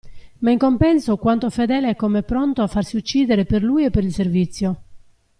Ma in compenso quanto fedele e come pronto a farsi uccidere per lui e per il servizio.